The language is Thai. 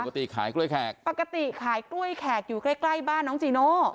ปกติขายกล้วยแขกอยู่ใกล้บ้านน้องจีโน่